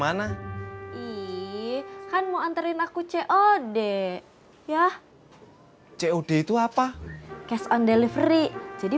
ini langsung banget bisa ngelupin bekerja udah untuk pendengar sini